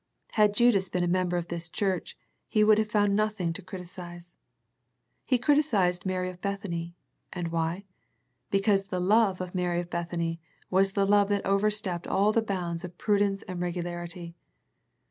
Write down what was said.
Had Judas been a member of this church, he would have found nothing to criti cize. He criticized Mary of Bethany, and why? Because the love of Mary of Bethany was the love that overstepped all the bounds of prudence and regularity.